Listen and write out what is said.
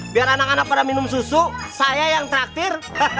biar anak anak pada minum susu saya yang terakhir